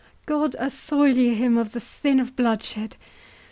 God assoilize him of the sin of bloodshed!